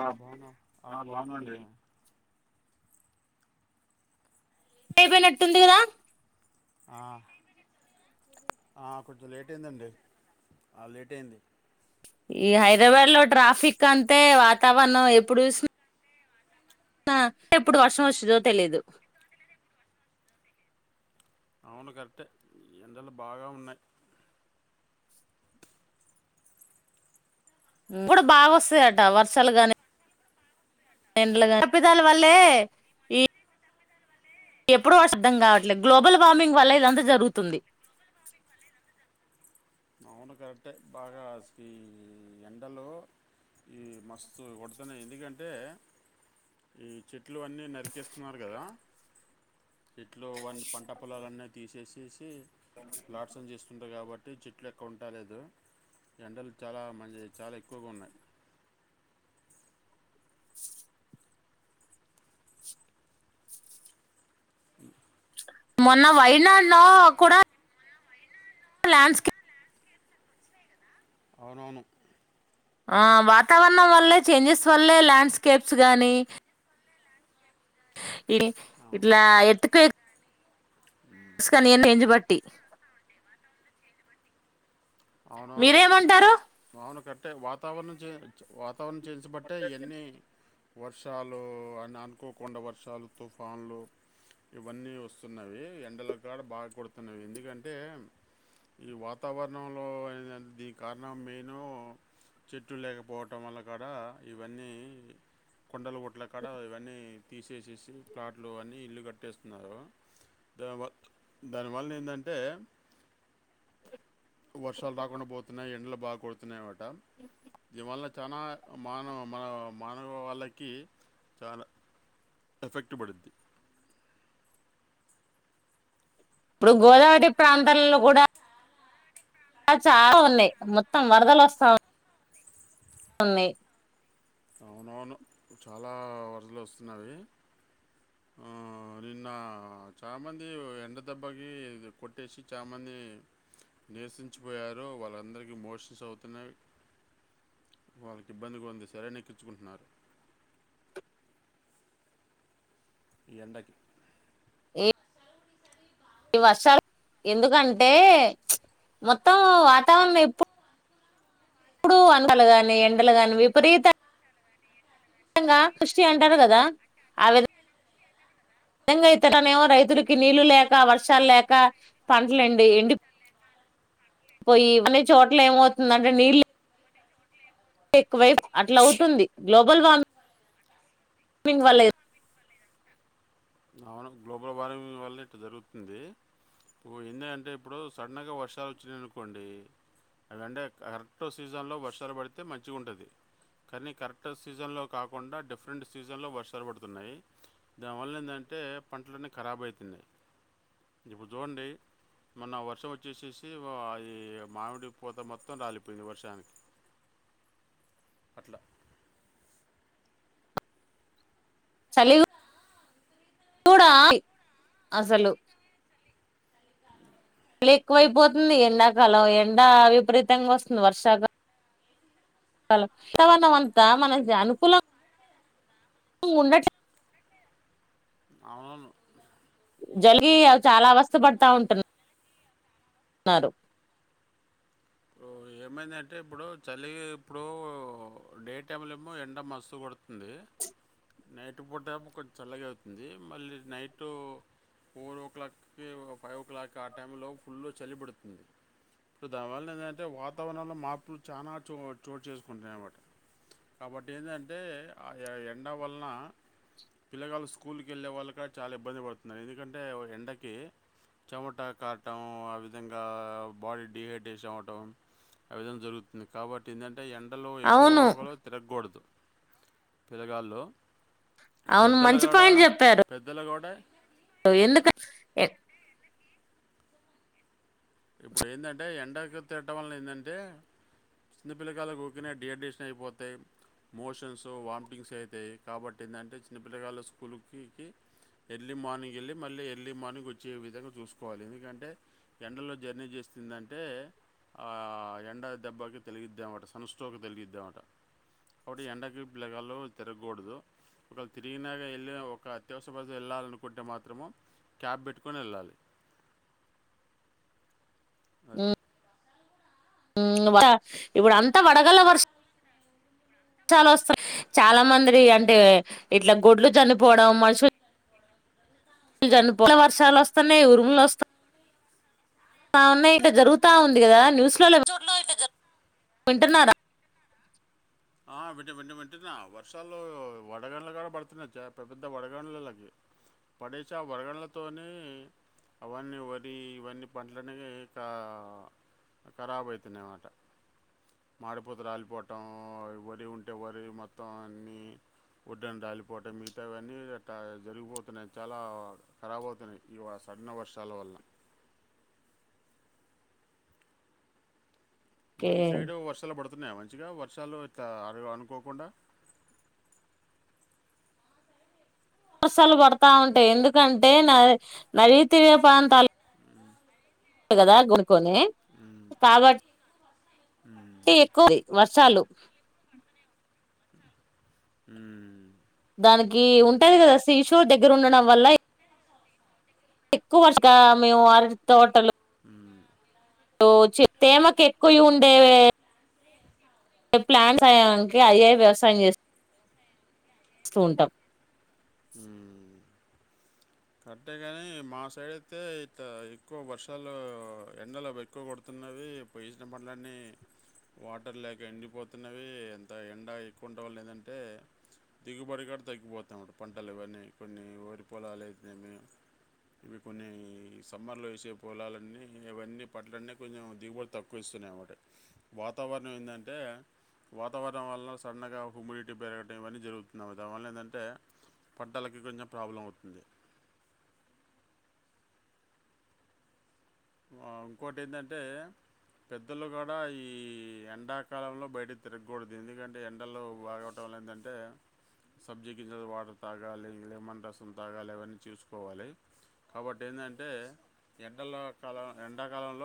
ఆ బాగును ఆ బాగునండి, అయిపోయినట్టుంది, కదా ఆ ఆ కొంచెం లేట్ అయిందండి లేట్ అయింది. ఈ హైదరాబాద్ లో ట్రాఫిక్ అంతే వాతావరణం ఎప్పుడు చూసిన, సిన ఎప్పుడు వర్షం వస్తుందో తెలీదు, అవును కరెక్టే ఎండలు బాగా ఉన్నాయి ఇప్పుడు బాగా వస్తాయట వర్షాలు గాని తప్పిదాల వల్లే ఈ ఎప్పుడూ వర్ష అర్థం కావట్లేదు గ్లోబల్ వార్మింగ్ వల్ల ఇదంతా జరుగుతుంది అవును కరెక్టే బాగా ఈ ఎండలో ఈ మస్తు కొడుతున్నాయి ఎందుకంటే ఈ చెట్లు అన్నీ నరికేస్త స్తున్నారు కదా చెట్లు వ పంట పొలాలన్నీ తీసేసేసి ఫ్లాట్స్ చేస్తుంటారు కాబట్టి చెట్ ఉంటా లేదు ఎండలు చాలా మ చాలా ఎక్కువగా ఉన్నాయి [inaudible] ఈ [unintelligible] మొన్న వైనాడులో కూడా ల్యాండ్స్ కి అవునవును వాతావరణం వల్లే చేంజెస్ వల్లే ల్యాండ్స్కేప్స్ గానీ అవును ఇట్లా ఎర్త్ క్వేక్ గానీ ఎండబట్టి అవునవును మీరేమంటారు అవును కరెక్టే వాతావరణం చే వా వాతావరణం చేంజెస్ బట్టే ఇవన్నీ వర్షాలు అని అనుకోకుండా వర్షాలు తుఫాన్లు ఇవన్నీ వస్తున్నయి ఎండలకాడ బాగా కొడుతున్నవి ఎందుకంటే ఈ వాతావరణం అ [inaudible] దీని కారణం మెనూ చెట్లు లేకపోవటం వల్ల కూడా ఇవన్నీ కొండలు గుట్ల కాడ ఇవన్నీ తీసేసేసి ప్లాట్లు అన్నీ ఇల్లు కట్టేస్తున్నారు దాని వ దానివల్ల ఏందంటే [inaudible] వర్షాలు రాకుండా పోతున్నాయి ఎండడ్లు బాగా కొడుతున్నాయి అన్నమాట దీని వల్ల చానా మానవ మన మానవు వాళ్ళకి చానా ఎఫెక్ట్ పడింది ఇప్పుడు గోదావరి ప్రాంతల్లో కూడా అ చాలా ఉన్నాయి మొత్తం వరదలొస్తాయి అవునవును చాలా వరదలు వస్తున్నావి [inaudible] నిన్న చాలామంది ఎండ దబ్బాకి కొట్టేసి చాలామంది నిరాసించిపోయారు వాళ్ళందరికీ మోషన్స్ అవుతున్నాయి వాళ్ళకి ఇబ్బంది గా ఉంది సెలూన్ ఎక్కించుకుంటున్నారు ఈ ఎండకి ఏ ఈ వర్షాలు ఎందుకంటే మొత్తం వాతావరణం ఎప్పుడు ఎప్పుడు అండలు గాని ఎండలు గాని విపరీత గా కృష్టి అంటారు కదా ఆ విధం నిజంగా ఇతడనేమో రైతులకి నీళ్లు లేక వర్షాలు లేక పంటలుఎండి ఎండి పోయి కొన్ని చోట్ల ఏమవుతుంది అంటే నీళ్ళు ఎక్కువైపు అట్లా అవుతుంది గ్లోబల్మి వమింగ్ వల్ల అవును గ్లోబల్ వార్మింగ్ వల్లే ఇట్లా జరుగుతుంది ఎందే అంటే ఇప్పుడు సడన్ గా వర్షాలు వచ్చినాయనుకోండి అదంటే కరెక్ట్ సీజన్ లో వర్షాలు పడితే మంచిగా ఉంటుంది కానీ కరెక్ట్ సీజన్లో కాకుండా డిఫరెంట్ సీజన్లో వర్షాలు పడుతున్నాయి దానివల్ల ఏందంటే పంటలన్నీ ఖరాబ్ అవుతున్నాయి ఇప్పుడు చూడండి మొన్న వర్షం వచ్చేసేసి ఈ మామిడి పూత మొత్తం రాలిపోయింది వర్షానికి అట్లా చలి గూడ అసలు ఎక్కువైపోతుంది ఎండాకాలం ఎండ విపరీతంగా వస్తుంది వర్షాకా [unintelligible] మన అనుకూలం ఉండట్లే అవును జరిగి అ చాలా అవస్థ పడతా ఉంటున్నా న్నారు ఓ, ఏమైందంటే ఇప్పుడు చలి ఇప్పుడు డే టైమ్లో ఏమో ఎండ మస్తు కొడుతుంది నైట్ పూట కొంచెం చల్లగా అవుతుంది మళ్ళీ నైట్ ఫోర్ ఓ క్లాక్కి ఫైవ్ ఓ క్లాక్ ఆ టైమ్ లో ఫుల్ చలి పెడుతుంది ఇప్పుడు దానివల్ల ఏంటంటే వాతావరణంలో మార్పులు చాలా చో చోటు చేసుకుంటాయనమాట కాబట్టి ఎందంటే ఆ ఎండ వలన పిల్లగాలు స్కూల్కి వెళ్ళే వాళ్ళు కూడా చాలా ఇబ్బంది పడుతున్నారు ఎందుకంటే ఎండకి చెమట కారటం ఆ విధంగా బాడీ డిహైడ్రేషన్ అవ్వటం ఆ విధం జరుగుతుంది కాబట్టి ఏంటంటే ఎండలో అవును ఎక్కువలో తిరగకూడదు పిలగాళ్ళు అవును పెద్దలు మంచి కూడా పాయింట్ చెప్పారు పెద్దలు కూడా ఎందుక ఎ ఇప్పుడు ఏందంటే ఎండకు తిరగటం వల్ల ఏంటంటే చిన్న పిల్లకాయలకు ఊకనే డిహైడ్రేషన్ అయిపోతాయి మోషన్స్, వామిటింగ్స్ అవుతాయి కాబట్టి ఏంటంటే చిన్నపిల్లగాళ్ల స్కూలుకికి ఎర్లీ మార్నింగ్ వెళ్ళి మళ్ళీ ఎర్లీ మార్నింగ్ వచ్చే విధంగా చూసుకోవాలి ఎందుకంటే ఎండలో జర్నీ చేస్తుందంటే ఆ ఎండ దెబ్బాకి తగిలిద్దనమాట సన్ స్ట్రోక్ తలిగిద్ద అన్నమాట అప్పుడు ఎండకి పిల్లగాలు తిరగకూడదు ఒక తిరిగినా వెళ్ళ ఒక అత్యవసర పరిస్థితిలో వెళ్ళాలనుకుంటే మాత్రము క్యాప్ బెట్టుకొని వెళ్ళాలి అవు మ్మ్ ఇప్పుడు అంతా వడగళ్ల వర్ష చాలా వస్తాయి చాలా మంది అంటే ఇట్లా గొడ్లు చనిపోవడం మనుషు చనిపోవడం వర్షాలు వస్తున్నాయి ఉరుములు వస్తు న్నాయి ఇట్ల జరుగుతా ఉంది కదా న్యూస్ లలో జూన్ లో అయితే జ వింటున్నారా ఆ వింట వింట వింటున్నా వర్షాలు వడగళ్ళు కూడా పడుతున్నయ్ జాగ్రత్త పెద్ద వడగనులకి పడేస ఆ వడగళ్ల తోటి అవన్నీ వరి ఇవన్నీ పంటలనేకా ఖరాబ్ అయితున్నాయనమాట మాడిపూత రాలిపోవటం వరి ఉంటే వరి మొత్తం అన్నిీ వడ్డున రాలిపోవటం మిగతా అవన్నీ జరిగిపోతున్నాయి చాలా ఖరాబ్ అవుతున్నాయి ఈ వర్ష పడిన వర్షాల వల్ల మీ సైడు వర్షాలు పడుతున్నాయా మం చిగా వర్షాలు ఇట్ల అను అనుకోకుండా వర్షాలు పడతా ఉంటాయి ఎందుకంటే [unintelligible] ప్రాంతాలు కదా గు కొని మ్మ్. మ్మ్. కాబట్టి ఎక్కువ వర్షాలు ఉమ్ దానికి ఉంటది కదా సీషోర్ దగ్గర ఉండడం వల్ల ఎక్కువగా మేము ఆరటీ తోటలు మ్మ్. ో చే ప్రేమకెక్కువ ఉండేవే ప్లాన్స్యడానికి ఐఐ వ్యవసాయం చేస్తుంది స్తూంటాం హ్మ్ కరటే గాని మా సైడ్ అయితే ఇంకా ఎక్కువ వర్షాలు ఎండలు ఎక్కువ కొడుతున్నా ఉన్నది పోసిన పనులన్నీ వాటర్ లేక ఎండిపోతున్నవి ఎంత ఎండ ఎక్కువ ఉంటే వాళ్ళు ఏంటంటే దిగుబడి కూడా తగ్గిపోతాన్నమాట పంటలు ఇవన్నీ కొన్ని ఓరిపోొలాలు అయితేనేమి ఇవి కొన్ని సమ్మర్లో వేసే పొలాలన్నీ ఇవన్నీ పట్లన్నీ కొంచెం దిగుబడు తక్కువ ఇస్తాయి వన్నాయిమాట వాతావరణం ఏంటంటే వాతావరణం వల్ల సడన్గా హ్యూమిడిటీ పెరగడం ఇవన్నీ జరుగుతున్నాము దావల్ల ఏందాంటే పంటలకీ కొంచెం ప్రాబ్లం అవుతుంది ఇంకోటి అందాంటే పెద్దలు కూడా ఈ ఎండాకాలంలో బయట తిరగకూడదు ఎందుకంటే ఎండలు బాగటం వా ఏందాంటే సబ్జీగింజలు వాటర్ తాగాలి లెమన్ రసం తాగాలి ఇవన్నీ చూసుకోవాలి కాబట్టి ఏందాంటే ఎండల కాలం ఎండాకాలంలో